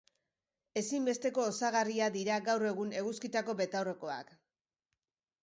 Ezinbesteko osagarria dira gaur egun eguzkitako betaurrekoak.